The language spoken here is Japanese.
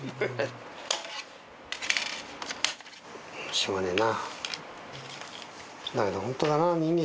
しょうがねえな。